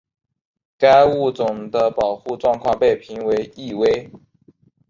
该物种的保护状况被评为易危。